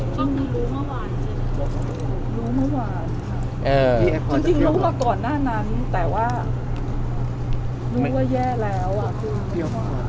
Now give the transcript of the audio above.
จริงจริงรู้ว่าก่อนหน้านั้นแต่ว่ารู้ว่าแย่แล้วอ่ะ